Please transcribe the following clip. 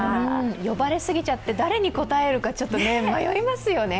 呼ばれすぎちゃって、誰に答えるか迷いますよね。